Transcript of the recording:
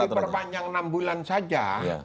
nah ketika diperpanjang enam bulan saja